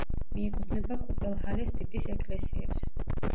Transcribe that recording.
მიეკუთვნება კუპელჰალეს ტიპის ეკლესიებს.